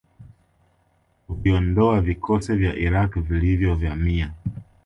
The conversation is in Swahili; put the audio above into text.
kuviondoavikosi vya Iraq vilivyo vamia